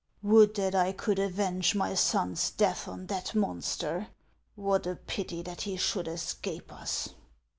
"Would that I could avenge my son's death on that monster ! What a pity that he should escape us